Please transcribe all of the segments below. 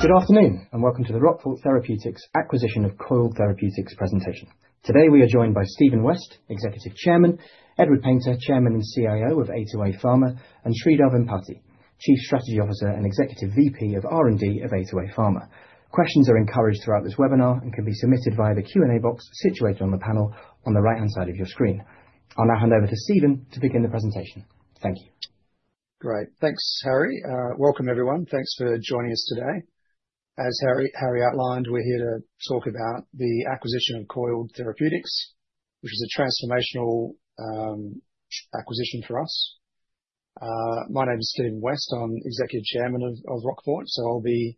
Good afternoon and Welcome to the Roquefort Therapeutics Acquisition of Coiled Therapeutics Presentation. Today we are joined by Stephen West, Executive Chairman, Edward Painter, Chairman and CIO of A2A Pharmaceuticals, and Sridhar Vempati, Chief Strategy Officer and Executive VP of R&D of A2A Pharmaceuticals. Questions are encouraged throughout this webinar and can be submitted via the Q&A box situated on the panel on the right-hand side of your screen. I'll now hand over to Stephen to begin the presentation. Thank you. Great, thanks Harry. Welcome everyone, thanks for joining us today. As Harry outlined, we're here to talk about the acquisition of Coiled Therapeutics, which is a transformational acquisition for us. My name is Stephen West, I'm Executive Chairman of Roquefort, so I'll be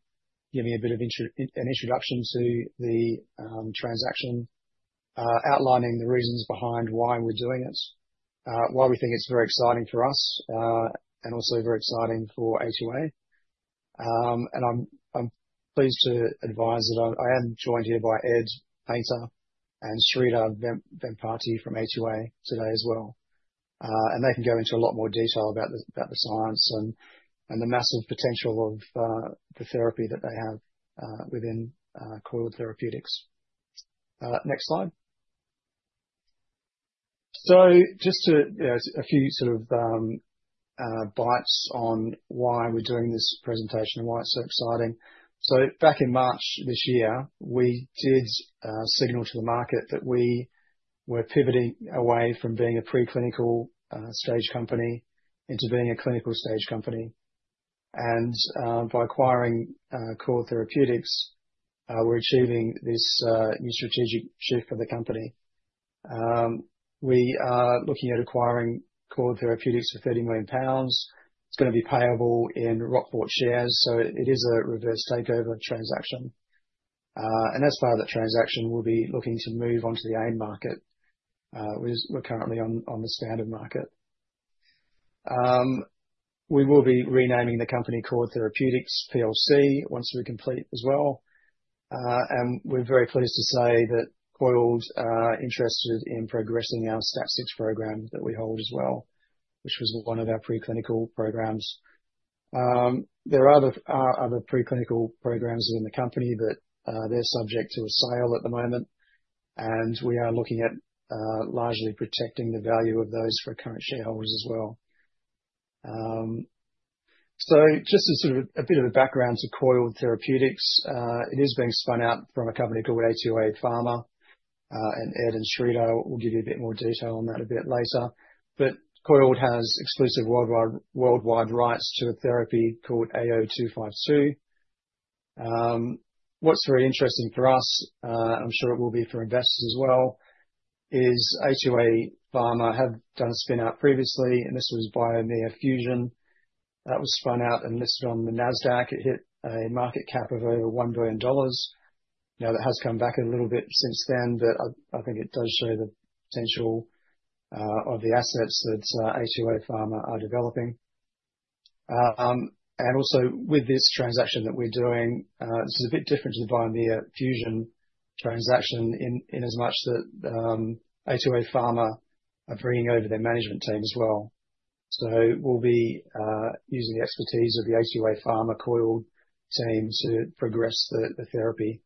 giving you a bit of an introduction to the transaction, outlining the reasons behind why we're doing it, why we think it's very exciting for us, and also very exciting for A2A, and I'm pleased to advise that I am joined here by Ed Painter and Sridhar Vempati from A2A today as well, and they can go into a lot more detail about the science and the massive potential of the therapy that they have within Coiled Therapeutics. Next slide, so just a few sort of bites on why we're doing this presentation and why it's so exciting. Back in March this year, we did signal to the market that we were pivoting away from being a preclinical stage company into being a clinical stage company. By acquiring Coiled Therapeutics, we're achieving this new strategic shift for the company. We are looking at acquiring Coiled Therapeutics for 30 million pounds. It's going to be payable in Roquefort shares, so it is a reverse takeover transaction. As part of that transaction, we'll be looking to move on to the AIM market. We're currently on the Standard Market. We will be renaming the company Coiled Therapeutics PLC once we complete as well. We're very pleased to say that Coiled's interested in progressing our STAT6 program that we hold as well, which was one of our preclinical programs. There are other preclinical programs within the company, but they're subject to a sale at the moment, and we are looking at largely protecting the value of those for current shareholders as well. Just a bit of a background to Coiled Therapeutics, it is being spun out from a company called A2A Pharma, and Ed and Sridhar will give you a bit more detail on that a bit later. Coiled has exclusive worldwide rights to a therapy called AO-252. What's very interesting for us, I'm sure it will be for investors as well, is A2A Pharma had done a spin-out previously, and this was Biomea Fusion. That was spun out and listed on the NASDAQ. It hit a market cap of over $1 billion. Now, that has come back a little bit since then, but I think it does show the potential of the assets that A2A Pharmaceuticals are developing. And also with this transaction that we're doing, this is a bit different to the Biomea Fusion transaction in as much as A2A Pharmaceuticals are bringing over their management team as well. So we'll be using the expertise of the A2A Pharmaceuticals Coiled team to progress the therapy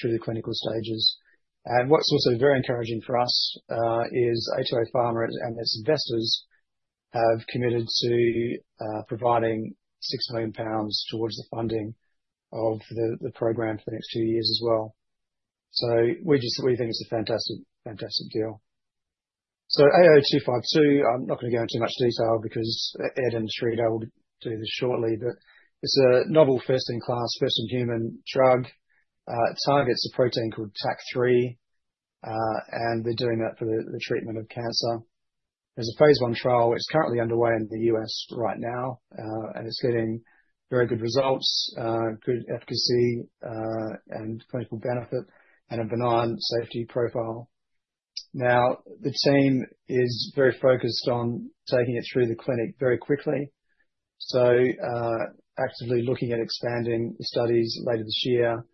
through the clinical stages. And what's also very encouraging for us is A2A Pharmaceuticals and its investors have committed to providing 6 million pounds towards the funding of the program for the next two years as well. So we think it's a fantastic deal. So AO-252, I'm not going to go into much detail because Ed and Sridhar will do this shortly, but it's a novel first-in-class, first-in-human drug. It targets a protein called TACC3, and they're doing that for the treatment of cancer. There's a phase I trial that's currently underway in the U.S. right now, and it's getting very good results, good efficacy, and clinical benefit, and a benign safety profile. Now, the team is very focused on taking it through the clinic very quickly, so actively looking at expanding the studies later this year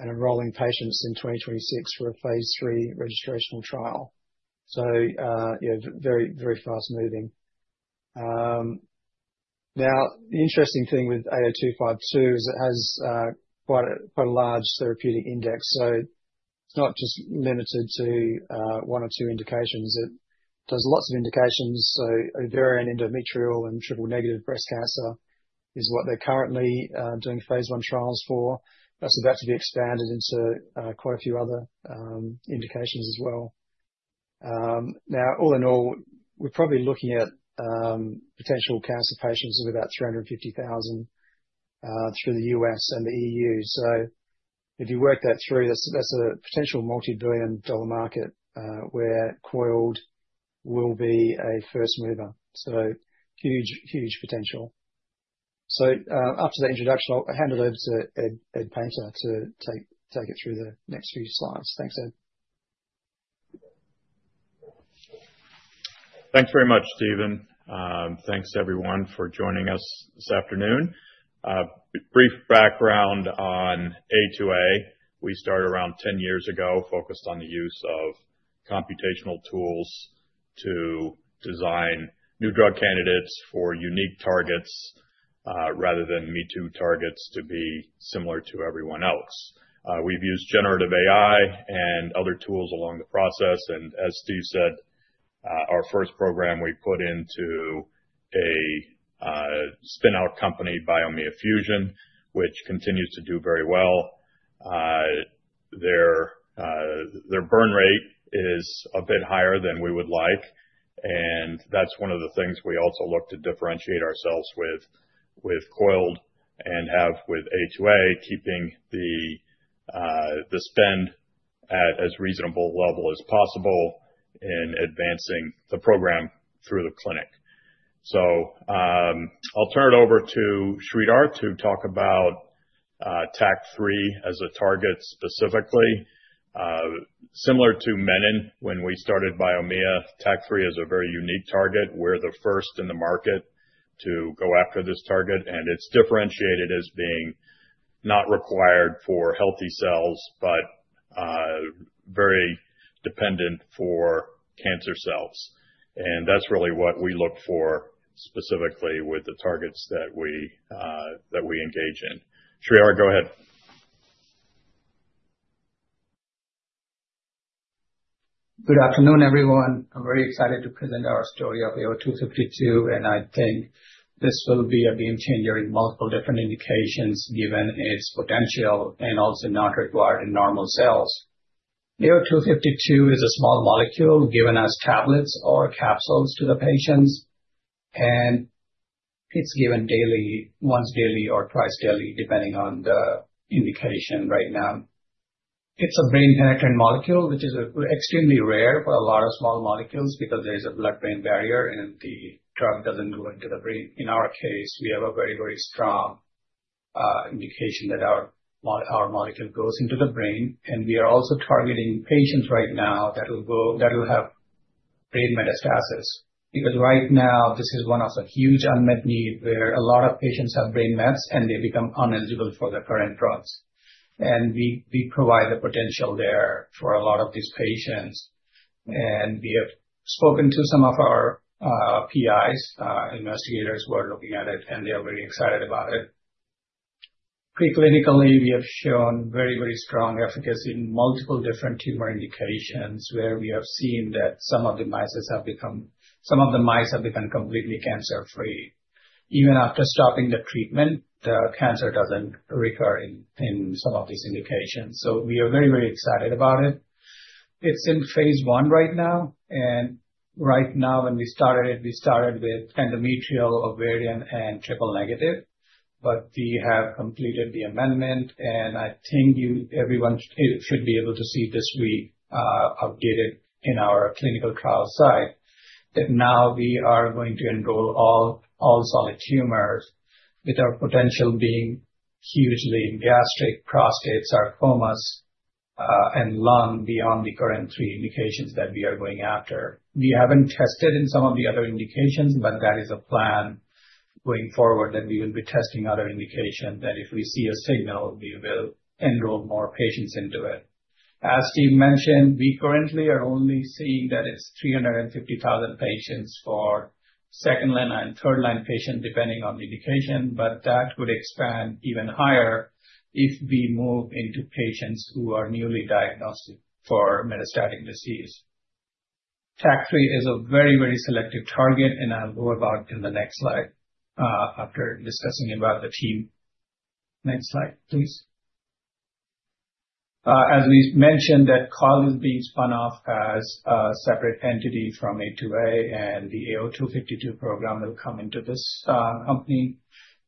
and enrolling patients in 2026 for a phase III registrational trial. So very fast-moving. Now, the interesting thing with AO-252 is it has quite a large therapeutic index, so it's not just limited to one or two indications. It does lots of indications, so ovarian, endometrial, and triple-negative breast cancer is what they're currently doing phase I trials for. That's about to be expanded into quite a few other indications as well. Now, all in all, we're probably looking at potential cancer patients of about 350,000 through the U.S. and the E.U. So if you work that through, that's a potential multi-billion dollar market where Coiled will be a first mover. So huge, huge potential. So after the introduction, I'll hand it over to Ed Painter to take it through the next few slides. Thanks, Ed. Thanks very much, Stephen. Thanks everyone for joining us this afternoon. Brief background on A2A, we started around 10 years ago, focused on the use of computational tools to design new drug candidates for unique targets rather than me-too targets to be similar to everyone else. We've used generative AI and other tools along the process. And as Steve said, our first program we put into a spin-out company, Biomea Fusion, which continues to do very well. Their burn rate is a bit higher than we would like, and that's one of the things we also look to differentiate ourselves with Coiled and have with A2A, keeping the spend at as reasonable a level as possible in advancing the program through the clinic. So I'll turn it over to Sridhar to talk about TACC3 as a target specifically. Similar to Menin, when we started Biomea, TACC3 is a very unique target. We're the first in the market to go after this target, and it's differentiated as being not required for healthy cells, but very dependent for cancer cells, and that's really what we look for specifically with the targets that we engage in. Sridhar, go ahead. Good afternoon, everyone. I'm very excited to present our story of AO-252, and I think this will be a game changer in multiple different indications given its potential and also not required in normal cells. AO-252 is a small molecule given as tablets or capsules to the patients, and it's given daily, once daily or twice daily, depending on the indication right now. It's a brain-penetrant molecule, which is extremely rare for a lot of small molecules because there is a blood-brain barrier and the drug doesn't go into the brain. In our case, we have a very, very strong indication that our molecule goes into the brain, and we are also targeting patients right now that will have brain metastasis. Because right now, this is one of the huge unmet needs where a lot of patients have brain mets, and they become ineligible for the current drugs. We provide the potential there for a lot of these patients. We have spoken to some of our PIs, investigators who are looking at it, and they are very excited about it. Preclinically, we have shown very, very strong efficacy in multiple different tumor indications where we have seen that some of the mice have become completely cancer-free. Even after stopping the treatment, the cancer doesn't recur in some of these indications. We are very, very excited about it. It's in phase I right now, and right now when we started it, we started with endometrial, ovarian, and triple-negative, but we have completed the amendment, and I think everyone should be able to see this week updated in our clinical trial site that now we are going to enroll all solid tumors with our potential being hugely in gastric, prostate, sarcomas, and lung beyond the current three indications that we are going after. We haven't tested in some of the other indications, but that is a plan going forward that we will be testing other indications that if we see a signal, we will enroll more patients into it. As Steve mentioned, we currently are only seeing that it's 350,000 patients for second-line and third-line patients depending on the indication, but that could expand even higher if we move into patients who are newly diagnosed for metastatic disease. TACC3 is a very, very selective target, and I'll go about in the next slide after discussing about the team. Next slide, please. As we mentioned, that Coiled is being spun off as a separate entity from A2A, and the AO-252 program will come into this company,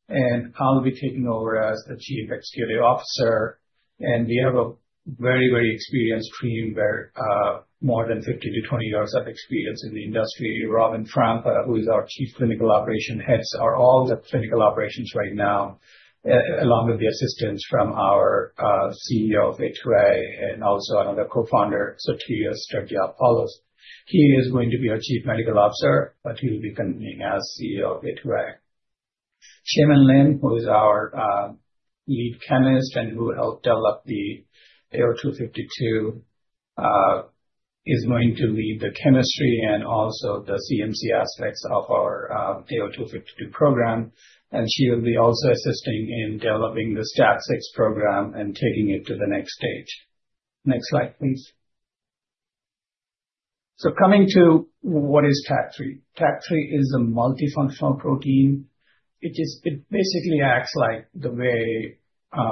and I'll be taking over as the Chief Executive Officer, and we have a very, very experienced team where more than 15-20 years of experience in the industry. Robbin Frnka, who is our Chief Clinical Operations Head, are all the clinical operations right now, along with the assistance from our CEO of A2A and also another co-founder, Sotirios Stergiopoulos. He is going to be our Chief Medical Officer, but he'll be continuing as CEO of A2A. Chaemin Lim, who is our lead chemist and who helped develop the AO-252, is going to lead the chemistry and also the CMC aspects of our AO-252 program, and she will be also assisting in developing the STAT6 program and taking it to the next stage. Next slide, please. So coming to what is TACC3. TACC3 is a multifunctional protein. It basically acts like the way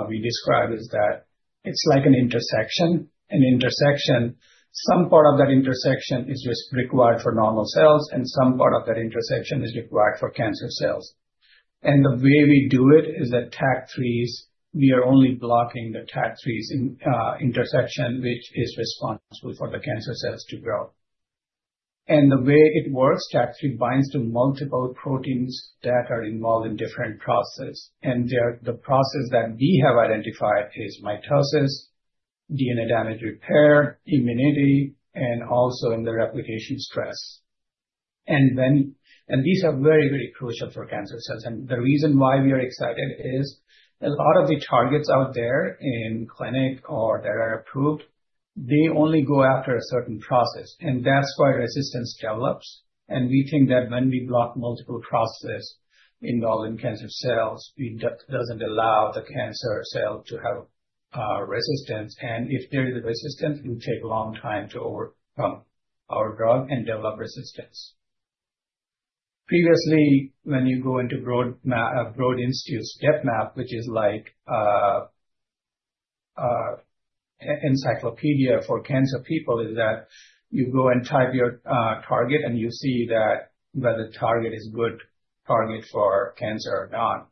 we describe is that it's like an intersection. An intersection, some part of that intersection is just required for normal cells, and some part of that intersection is required for cancer cells. And the way we do it is that TACC3's, we are only blocking the TACC3's intersection, which is responsible for the cancer cells to grow. And the way it works, TACC3 binds to multiple proteins that are involved in different processes. The process that we have identified is mitosis, DNA damage repair, immunity, and also in the replication stress. These are very, very crucial for cancer cells. The reason why we are excited is a lot of the targets out there in clinic or that are approved, they only go after a certain process, and that's why resistance develops. We think that when we block multiple processes involved in cancer cells, it doesn't allow the cancer cell to have resistance. If there is a resistance, it will take a long time to overcome our drug and develop resistance. Previously, when you go into Broad Institute's DepMap, which is like an encyclopedia for cancer people, is that you go and type your target, and you see whether the target is a good target for cancer or not.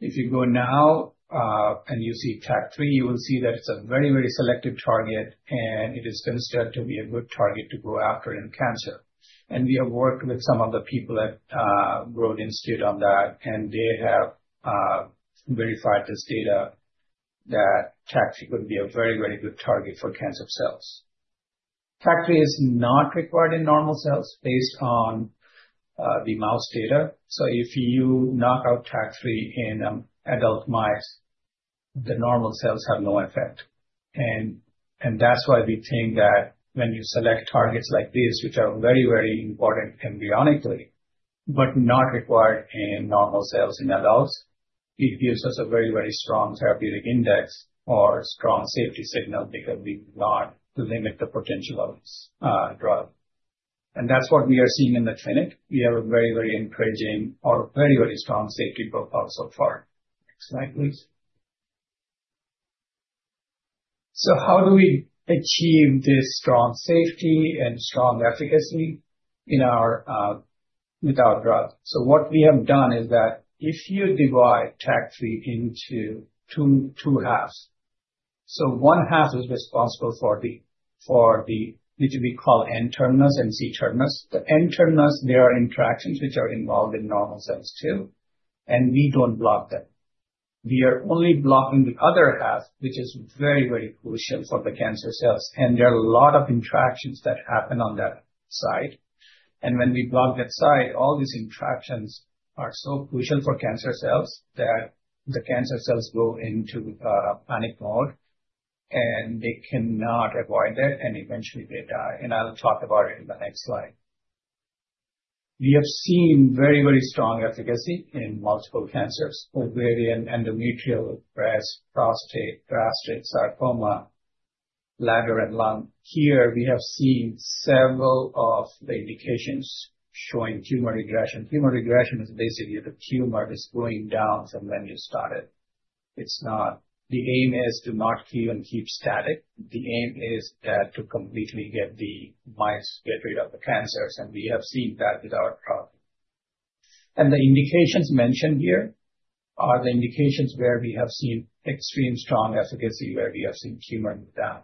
If you go now and you see TACC3, you will see that it's a very, very selective target, and it is considered to be a good target to go after in cancer. And we have worked with some of the people at Broad Institute on that, and they have verified this data that TACC3 could be a very, very good target for cancer cells. TACC3 is not required in normal cells based on the mouse data. So if you knock out TACC3 in adult mice, the normal cells have no effect. And that's why we think that when you select targets like these, which are very, very important embryonically, but not required in normal cells in adults, it gives us a very, very strong therapeutic index or strong safety signal because we do not limit the potential of this drug. And that's what we are seeing in the clinic. We have a very, very encouraging or very, very strong safety profile so far. Next slide, please. How do we achieve this strong safety and strong efficacy without drugs? What we have done is that if you divide TACC3 into two halves, one half is responsible for the, which we call N-terminus and C-terminus. The N-terminus, there are interactions which are involved in normal cells too, and we don't block them. We are only blocking the other half, which is very, very crucial for the cancer cells. There are a lot of interactions that happen on that side. When we block that side, all these interactions are so crucial for cancer cells that the cancer cells go into a panic mode, and they cannot avoid that, and eventually they die. I'll talk about it in the next slide. We have seen very, very strong efficacy in multiple cancers: ovarian, endometrial, breast, prostate, gastric, sarcoma, bladder, and lung. Here, we have seen several of the indications showing tumor regression. Tumor regression is basically the tumor is going down from when you started. The aim is to not even keep static. The aim is to completely get the mice, get rid of the cancers, and we have seen that with our drug, and the indications mentioned here are the indications where we have seen extreme strong efficacy, where we have seen tumor move down,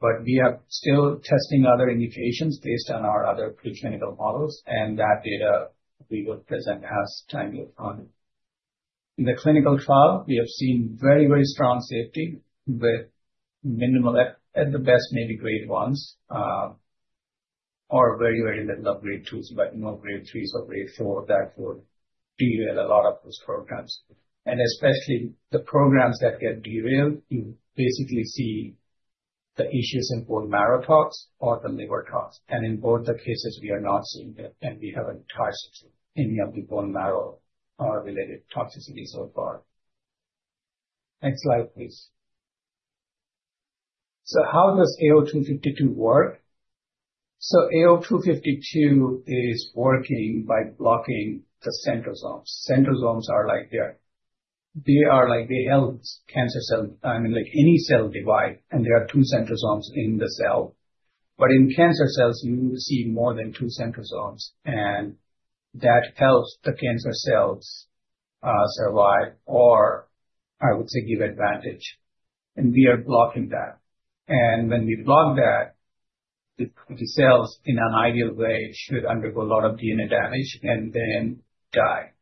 but we are still testing other indications based on our other preclinical models, and that data we will present as time moves on. In the clinical trial, we have seen very, very strong safety with minimal, at the best, maybe grade ones or very, very little of grade twos, but no grade threes or grade fours that would derail a lot of those programs. And especially the programs that get derailed, you basically see the issues in bone marrow tox or the liver tox. And in both the cases, we are not seeing it, and we haven't touched any of the bone marrow-related toxicities so far. Next slide, please. So how does AO-252 work? So AO-252 is working by blocking the centrosomes. Centrosomes are like there. They are like they help cancer cell, I mean, like any cell divide, and there are two centrosomes in the cell. But in cancer cells, you see more than two centrosomes, and that helps the cancer cells survive or, I would say, give advantage. And we are blocking that. And when we block that, the cells in an ideal way should undergo a lot of DNA damage and then die.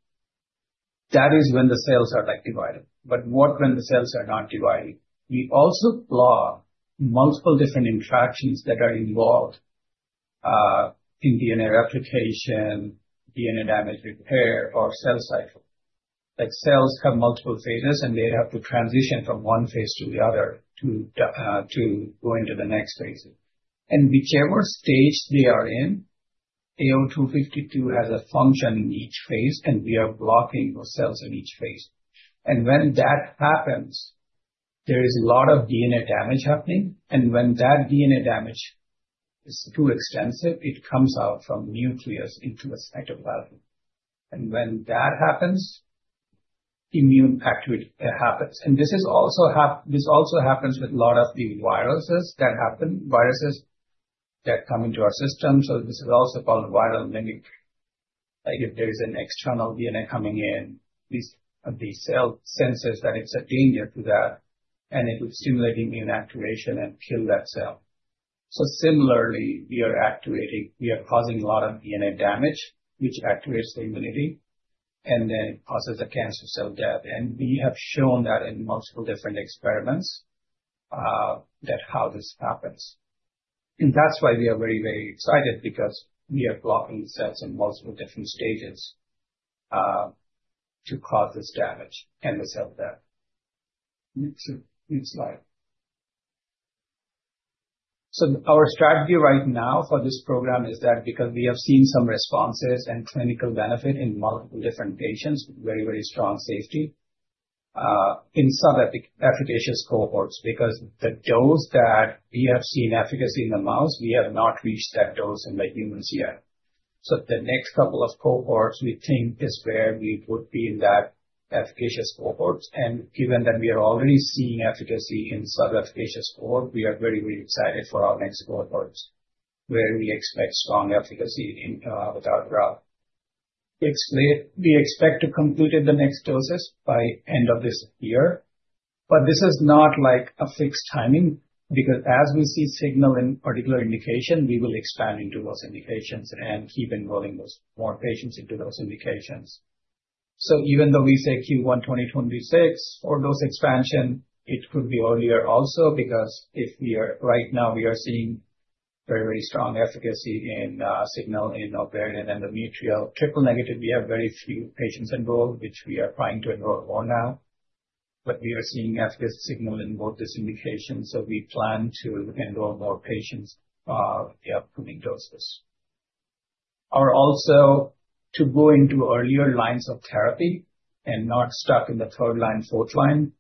That is when the cells are divided. But what when the cells are not divided? We also block multiple different interactions that are involved in DNA replication, DNA damage repair, or cell cycle. Like cells have multiple phases, and they have to transition from one phase to the other to go into the next phase. And whichever stage they are in, AO-252 has a function in each phase, and we are blocking those cells in each phase. And when that happens, there is a lot of DNA damage happening, and when that DNA damage is too extensive, it comes out from nucleus into a cytoplasm. And when that happens, immune activity happens. This also happens with a lot of the viruses that happen, viruses that come into our system. This is also called viral mimic. Like if there is an external DNA coming in, these cells sense that it's a danger to that, and it would stimulate immune activation and kill that cell. Similarly, we are activating, we are causing a lot of DNA damage, which activates the immunity, and then it causes the cancer cell death. We have shown that in multiple different experiments that how this happens. That's why we are very, very excited because we are blocking cells in multiple different stages to cause this damage and the cell death. Next slide. Our strategy right now for this program is that because we have seen some responses and clinical benefit in multiple different patients, very, very strong safety in some efficacious cohorts because the dose that we have seen efficacy in the mouse, we have not reached that dose in the humans yet. So the next couple of cohorts we think is where we would be in that efficacious cohorts. And given that we are already seeing efficacy in some efficacious cohorts, we are very, very excited for our next cohorts where we expect strong efficacy with our drug. We expect to complete the next doses by the end of this year. But this is not like a fixed timing because as we see signal in particular indication, we will expand into those indications and keep enrolling those more patients into those indications. So even though we say Q1 2026 for dose expansion, it could be earlier also because right now we are seeing very, very strong efficacy signal in ovarian and endometrial triple negative. We have very few patients enrolled, which we are trying to enroll more now. But we are seeing efficacy signal in both these indications. We plan to enroll more patients for the upcoming doses or also to go into earlier lines of therapy and not stuck in the third line, fourth line.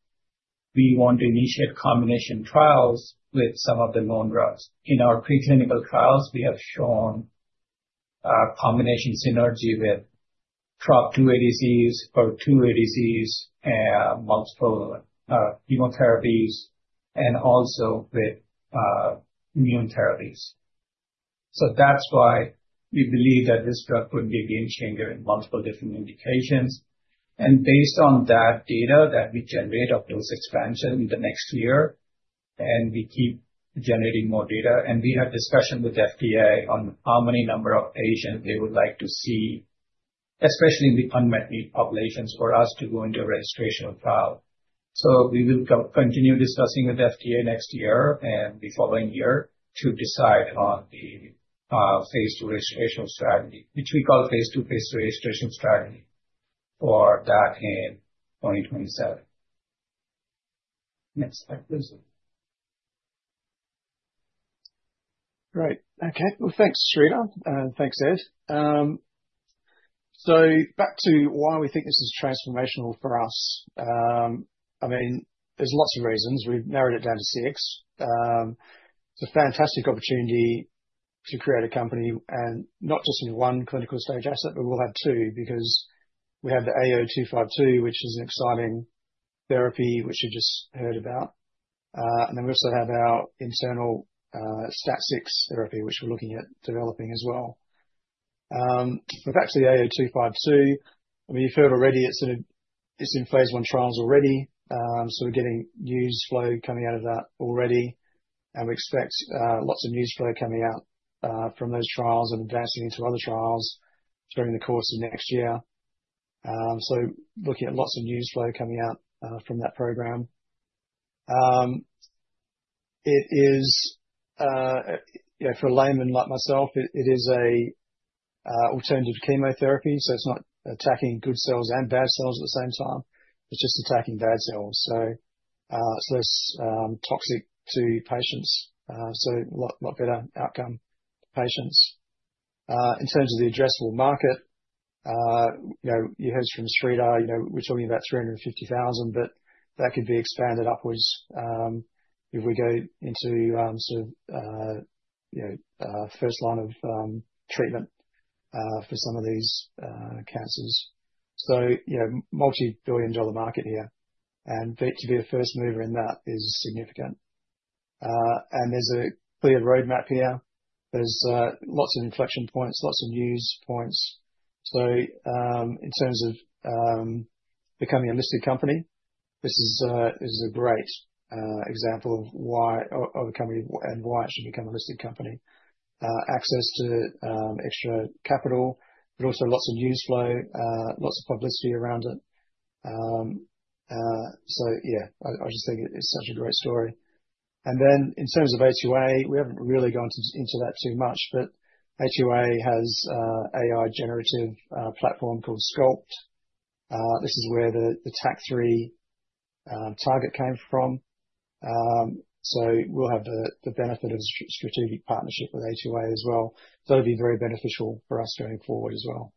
We want to initiate combination trials with some of the known drugs. In our preclinical trials, we have shown combination synergy with TROP2 ADC, HER2 ADC, multiple chemotherapies, and also with immune therapies. That's why we believe that this drug could be a game changer in multiple different indications. Based on that data that we generate of dose expansion in the next year, and we keep generating more data, and we have discussion with the FDA on how many number of patients they would like to see, especially in the unmet need populations for us to go into a registration trial. We will continue discussing with the FDA next year and the following year to decide on the phase II registration strategy, which we call phase II, phase III registration strategy for that in 2027. Next slide, please. Right. Okay. Thanks, Sridhar. Thanks, Ed. Back to why we think this is transformational for us. I mean, there's lots of reasons. We've narrowed it down to six. It's a fantastic opportunity to create a company, and not just in one clinical stage asset, but we'll have two because we have the AO-252, which is an exciting therapy which you just heard about, and then we also have our internal STAT6 therapy, which we're looking at developing as well. With actually AO-252, I mean, you've heard already, it's in phase I trials already, so we're getting news flow coming out of that already, and we expect lots of news flow coming out from those trials and advancing into other trials during the course of next year, so looking at lots of news flow coming out from that program. It is, for a layman like myself, an alternative chemotherapy, so it's not attacking good cells and bad cells at the same time. It's just attacking bad cells, so it's less toxic to patients. So a lot better outcome for patients. In terms of the addressable market, you heard from Sridhar, we're talking about 350,000, but that could be expanded upwards if we go into sort of first line of treatment for some of these cancers. So multi-billion dollar market here. And to be a first mover in that is significant. And there's a clear roadmap here. There's lots of inflection points, lots of news points. So in terms of becoming a listed company, this is a great example of why a company and why it should become a listed company. Access to extra capital, but also lots of news flow, lots of publicity around it. So yeah, I just think it's such a great story. And then in terms of A2A, we haven't really gone into that too much, but A2A has an AI generative platform called SCULPT. This is where the TACC3 target came from. So we'll have the benefit of a strategic partnership with A2A as well. So that'll be very beneficial for us going forward as well.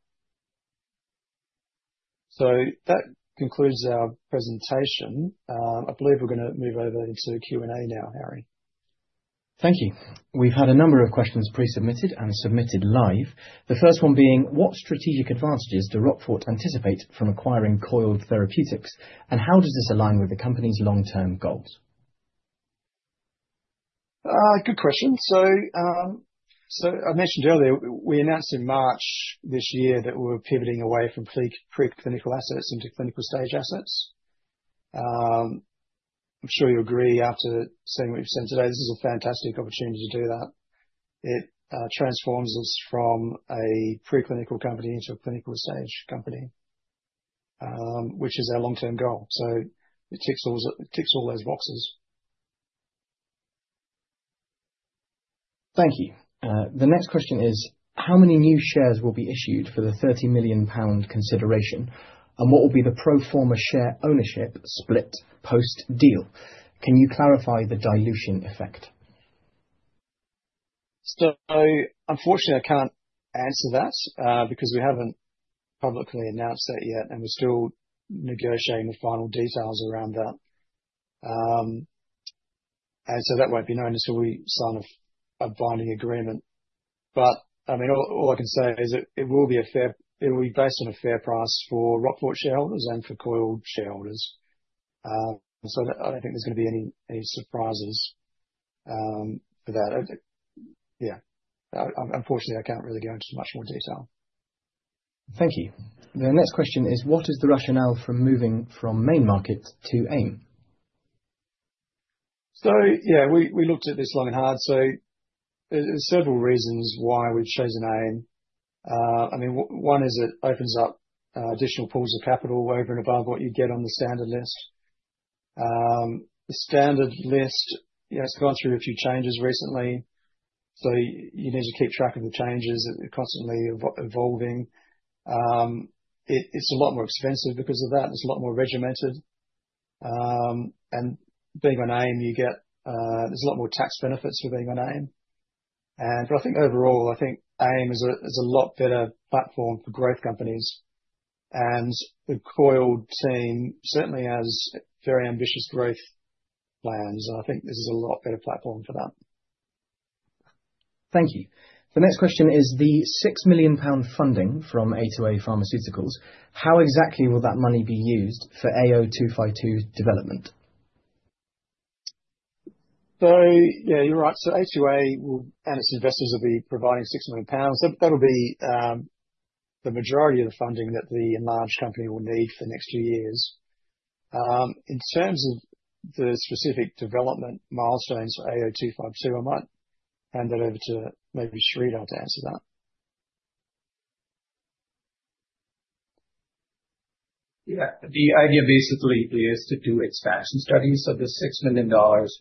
So that concludes our presentation. I believe we're going to move over into Q&A now, Harry. Thank you. We've had a number of questions pre-submitted and submitted live. The first one being, what strategic advantages do Roquefort anticipate from acquiring Coiled Therapeutics, and how does this align with the company's long-term goals? Good question. So I mentioned earlier, we announced in March this year that we're pivoting away from preclinical assets into clinical stage assets. I'm sure you'll agree after seeing what you've said today, this is a fantastic opportunity to do that. It transforms us from a preclinical company into a clinical stage company, which is our long-term goal. So it ticks all those boxes. Thank you. The next question is, how many new shares will be issued for the 30 million pound consideration, and what will be the pro forma share ownership split post-deal? Can you clarify the dilution effect? So unfortunately, I can't answer that because we haven't publicly announced that yet, and we're still negotiating the final details around that. And so that won't be known until we sign a binding agreement. But I mean, all I can say is it will be a fair it will be based on a fair price for Roquefort shareholders and for Coiled shareholders. So I don't think there's going to be any surprises for that. Yeah. Unfortunately, I can't really go into much more detail. Thank you. The next question is, what is the rationale for moving from Main Market to AIM? So yeah, we looked at this long and hard. There are several reasons why we've chosen AIM. I mean, one is it opens up additional pools of capital over and above what you get on the Standard List. The Standard List, it's gone through a few changes recently. So you need to keep track of the changes. It's constantly evolving. It's a lot more expensive because of that. It's a lot more regimented. And being on AIM, you get, there's a lot more tax benefits for being on AIM. But I think overall, I think AIM is a lot better platform for growth companies. And the Coiled team certainly has very ambitious growth plans. And I think this is a lot better platform for that. Thank you. The next question is, the 6 million pound funding from A2A Pharmaceuticals, how exactly will that money be used for AO-252 development? So yeah, you're right. A2A and its investors will be providing 6 million pounds. That'll be the majority of the funding that the enlarged company will need for the next few years. In terms of the specific development milestones for AO-252, I might hand that over to maybe Sridhar to answer that. Yeah. The idea basically is to do expansion studies. So the $6 million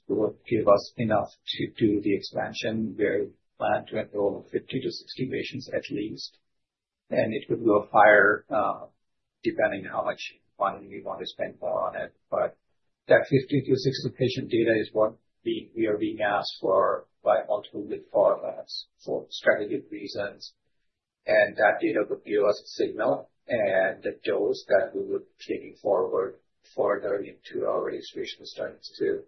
will give us enough to do the expansion. We're planning to enroll 50-60 patients at least. And it could go higher depending on how much money we want to spend more on it. But that 50-60 patient data is what we are being asked for by multiple big pharma for strategic reasons. And that data would give us a signal and the dose that we would take forward further into our registration studies too.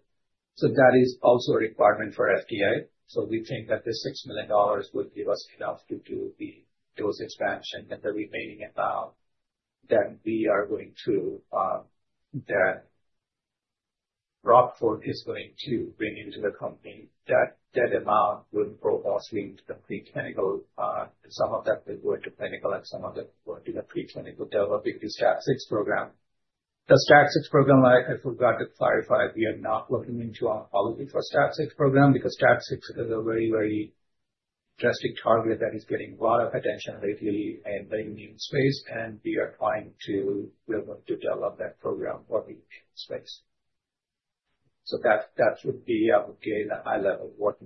So that is also a requirement for FDA. We think that the $6 million would give us enough to do the dose expansion and the remaining amount that we are going to that Roquefort is going to bring into the company. That amount will probably also lead to the preclinical. Some of that will go into clinical and some of that will go into the preclinical developing the STAT6 program. The STAT6 program, I forgot to clarify, we are not looking into our policy for STAT6 program because STAT6 is a very, very drastic target that is getting a lot of attention lately in the immune space. We are going to develop that program for the immune space. That would be a high level of what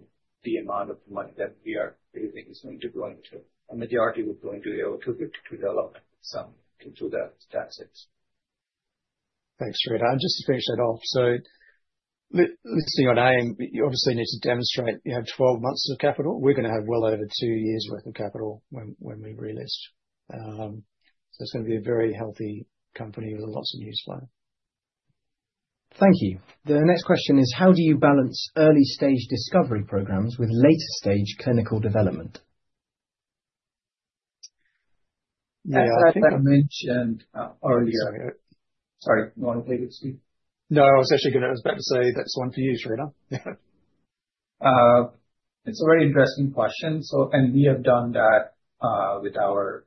the amount of money that we are using is going to go into. A majority will go into AO-252 development to do that STAT6. Thanks, Sridhar. Just to finish that off. So listing on AIM, you obviously need to demonstrate you have 12 months of capital. We're going to have well over two years' worth of capital when we relist. So it's going to be a very healthy company with lots of news flow. Thank you. The next question is, how do you balance early stage discovery programs with later stage clinical development? Yeah, I think I mentioned earlier. Sorry, go ahead. Sorry, go on, David. No, I was actually going to I was about to say that's one for you, Sridhar. It's a very interesting question, and we have done that with our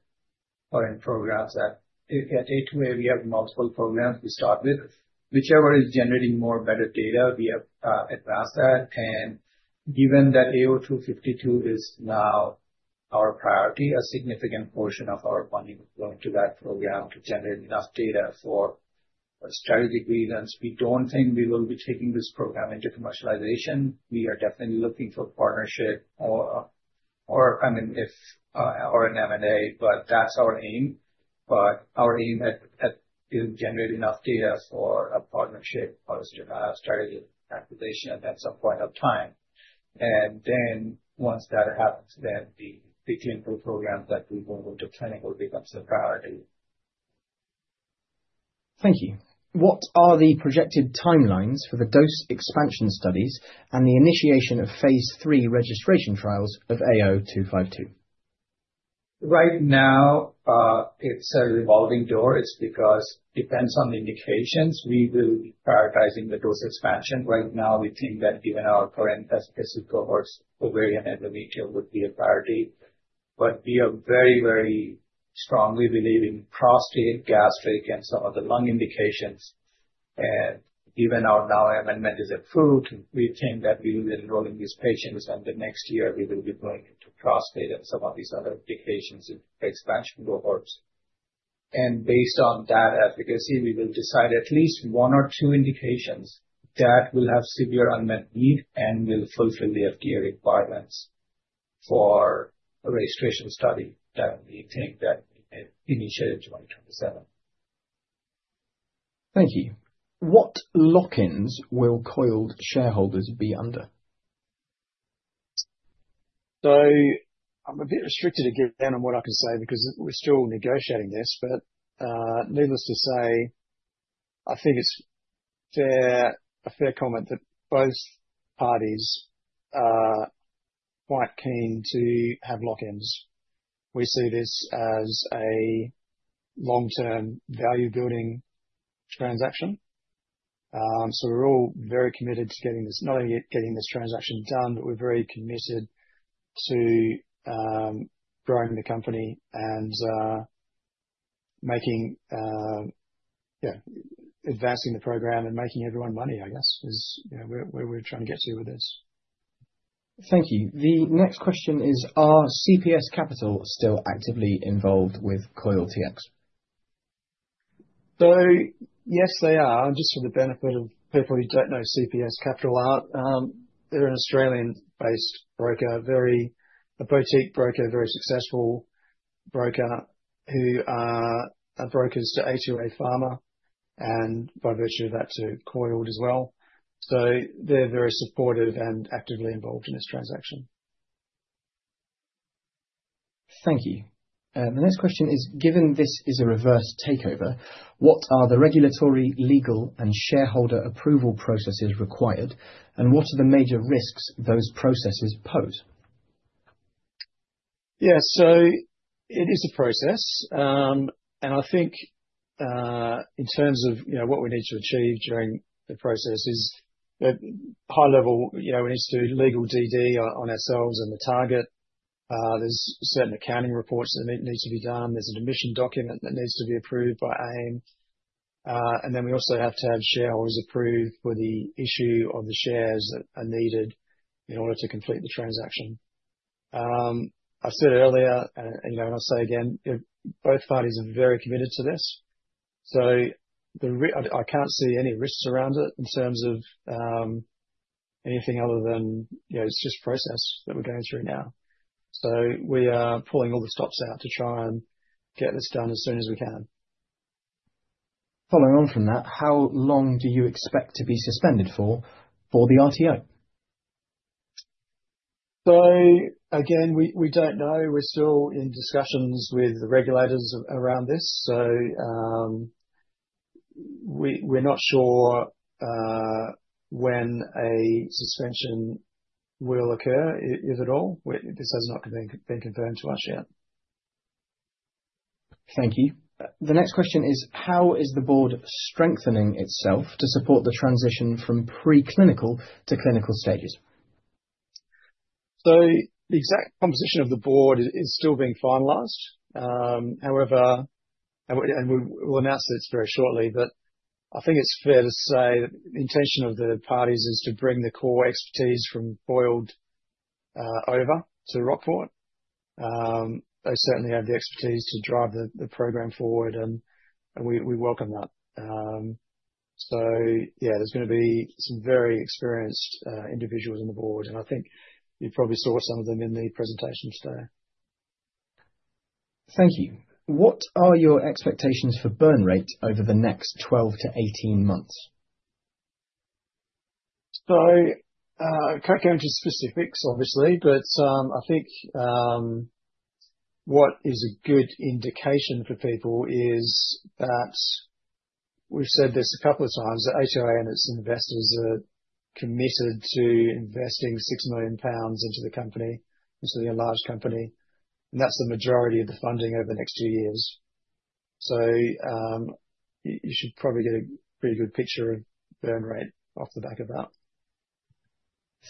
current programs at A2A. We have multiple programs we start with. Whichever is generating more better data, we have advanced that. And given that AO-252 is now our priority, a significant portion of our funding is going to that program to generate enough data for strategic reasons. We don't think we will be taking this program into commercialization. We are definitely looking for partnership or, I mean, if or an M&A, but that's our aim. But our aim is to generate enough data for a partnership or a strategic acquisition at some point of time. And then once that happens, then the clinical program that we will move to clinical becomes a priority. Thank you. What are the projected timelines for the dose expansion studies and the initiation of phase III registration trials of AO-252? Right now, it's a revolving door. It's because it depends on the indications. We will be prioritizing the dose expansion. Right now, we think that given our current best cohorts, ovarian and endometrial would be a priority. But we are very, very strongly believing in prostate, gastric, and some of the lung indications. And given our new amendment is approved, we think that we will be enrolling these patients. And the next year, we will be going into prostate and some of these other indications in expansion cohorts. And based on that efficacy, we will decide at least one or two indications that will have severe unmet need and will fulfill the FDA requirements for a registration study that we think that we may initiate in 2027. Thank you. What lock-ins will Coiled shareholders be under? So I'm a bit restricted again on what I can say because we're still negotiating this. But needless to say, I think it's a fair comment that both parties are quite keen to have lock-ins. We see this as a long-term value-building transaction. So we're all very committed not only to getting this transaction done, but we're very committed to growing the company and advancing the program and making everyone money, I guess, is where we're trying to get to with this. Thank you. The next question is, are CPS Capital still actively involved with Coiled Tx? So yes, they are. And just for the benefit of people who don't know CPS Capital, they're an Australian-based broker, a very boutique broker, very successful broker who brokers to A2A Pharma and by virtue of that to Coiled as well. So they're very supportive and actively involved in this transaction. Thank you. The next question is, given this is a reverse takeover, what are the regulatory, legal, and shareholder approval processes required, and what are the major risks those processes pose? Yeah, so it is a process. And I think in terms of what we need to achieve during the process is high level, we need to do legal DD on ourselves and the target. There's certain accounting reports that need to be done. There's an admission document that needs to be approved by AIM. And then we also have to have shareholders approved for the issue of the shares that are needed in order to complete the transaction. I've said earlier, and I'll say again, both parties are very committed to this. So I can't see any risks around it in terms of anything other than it's just process that we're going through now. So we are pulling all the stops out to try and get this done as soon as we can. Following on from that, how long do you expect to be suspended for the RTO? So again, we don't know. We're still in discussions with the regulators around this. So we're not sure when a suspension will occur, if at all. This has not been confirmed to us yet. Thank you. The next question is, how is the board strengthening itself to support the transition from preclinical to clinical stages? So the exact composition of the board is still being finalized. However, and we'll announce this very shortly, but I think it's fair to say the intention of the parties is to bring the core expertise from Coiled over to Roquefort. They certainly have the expertise to drive the program forward, and we welcome that. Yeah, there's going to be some very experienced individuals on the board, and I think you probably saw some of them in the presentation today. Thank you. What are your expectations for burn rate over the next 12-18 months? I can't go into specifics, obviously, but I think what is a good indication for people is that we've said this a couple of times, that A2A and its investors are committed to investing 6 million pounds into the company, into the enlarged company. And that's the majority of the funding over the next few years. You should probably get a pretty good picture of burn rate off the back of that.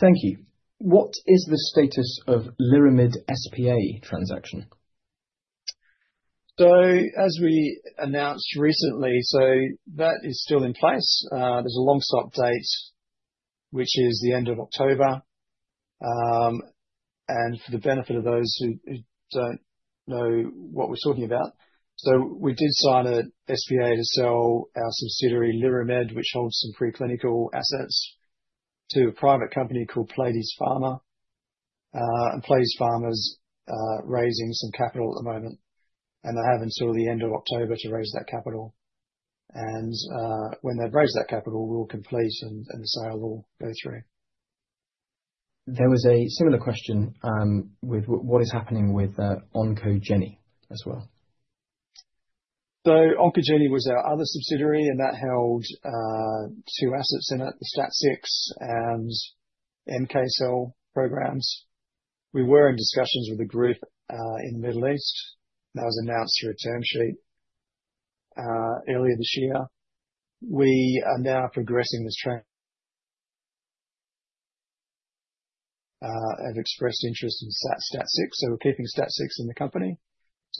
Thank you. What is the status of Lyramid SPA transaction? As we announced recently, that is still in place. There's a long stop date, which is the end of October. And for the benefit of those who don't know what we're talking about, so we did sign an SPA to sell our subsidiary Lyramid, which holds some preclinical assets, to a private company called Pleiades Pharma. And Pleiades Pharma is raising some capital at the moment. And they have until the end of October to raise that capital. And when they've raised that capital, we'll complete and the sale will go through. There was a similar question with what is happening with Oncogeni as well. So Oncogeni was our other subsidiary, and that held two assets in it, the STAT6 and MK cell programs. We were in discussions with a group in the Middle East. That was announced through a term sheet earlier this year. We are now progressing this trend. Have expressed interest in STAT6. So we're keeping STAT6 in the company.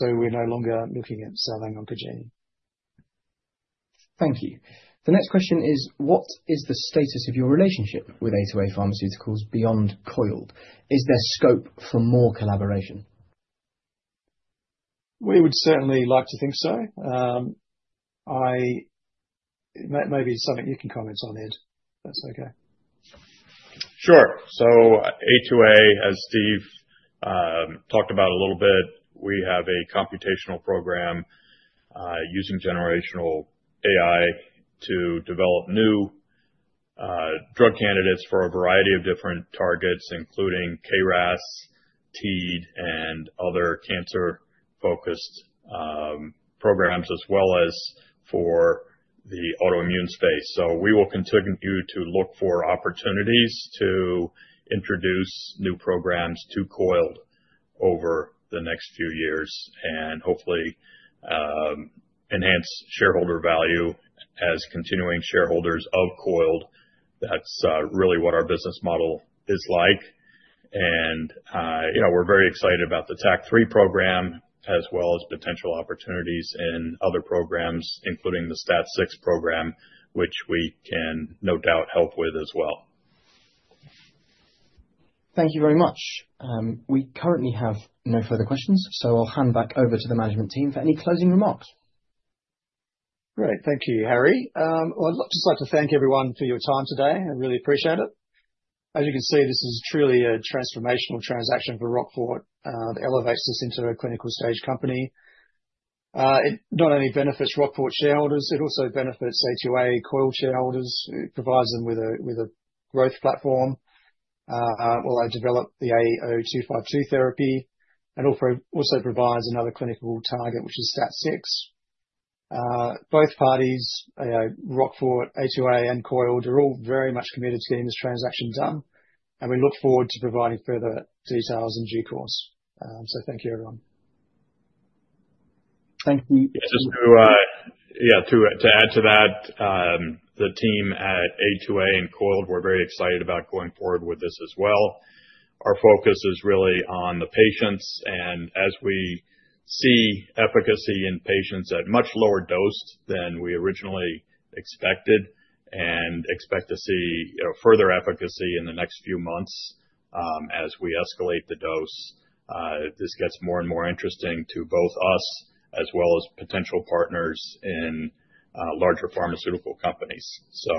We're no longer looking at selling Oncogeni. Thank you. The next question is, what is the status of your relationship with A2A Pharmaceuticals beyond Coiled? Is there scope for more collaboration? We would certainly like to think so. Maybe something you can comment on, Ed. That's okay. Sure. A2A, as Steve talked about a little bit, we have a computational program using generative AI to develop new drug candidates for a variety of different targets, including KRAS, TEAD, and other cancer-focused programs, as well as for the autoimmune space. We will continue to look for opportunities to introduce new programs to Coiled over the next few years and hopefully enhance shareholder value as continuing shareholders of Coiled. That's really what our business model is like. We're very excited about the TACC3 program, as well as potential opportunities in other programs, including the STAT6 program, which we can no doubt help with as well. Thank you very much. We currently have no further questions, so I'll hand back over to the management team for any closing remarks. Great. Thank you, Harry. I'd just like to thank everyone for your time today. I really appreciate it. As you can see, this is truly a transformational transaction for Roquefort. It elevates us into a clinical stage company. It not only benefits Roquefort shareholders, it also benefits A2A, Coiled shareholders. It provides them with a growth platform while they develop the AO-252 therapy and also provides another clinical target, which is STAT6. Both parties, Roquefort, A2A, and Coiled, are all very much committed to getting this transaction done. We look forward to providing further details in due course. So thank you, everyone. Thank you. Yeah, just to add to that, the team at A2A and Coiled were very excited about going forward with this as well. Our focus is really on the patients. And as we see efficacy in patients at much lower dose than we originally expected and expect to see further efficacy in the next few months as we escalate the dose, this gets more and more interesting to both us as well as potential partners in larger pharmaceutical companies. So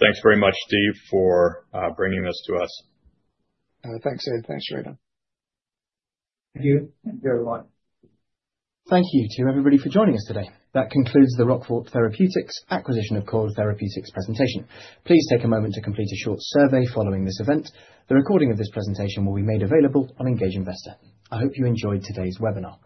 thanks very much, Steve, for bringing this to us. Thanks, Ed. Thanks, Sridhar. Thank you. Thank you, everyone. Thank you to everybody for joining us today. That concludes the Roquefort Therapeutics acquisition of Coiled Therapeutics presentation. Please take a moment to complete a short survey following this event. The recording of this presentation will be made available on Engage Investor. I hope you enjoyed today's webinar.